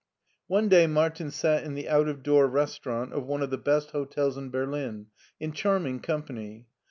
One day Martin sat in the out of door restaurant of one of the best hotels in Berlin in charming com pany.